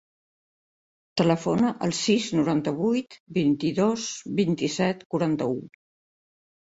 Telefona al sis, noranta-vuit, vint-i-dos, vint-i-set, quaranta-u.